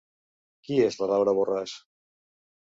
Qui és la Laura Borràs?